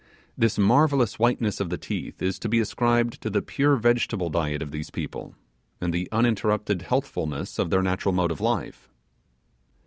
Their marvellous whiteness of the teeth is to be ascribed to the pure vegetable diet of these people, and the uninterrupted healthfulness of their natural mode of life.